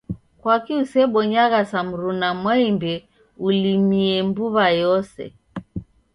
Kwaki usebonyagha sa mruna Mwaimbe ulimie mbuwa yose